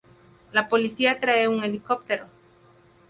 La policía trae un helicóptero.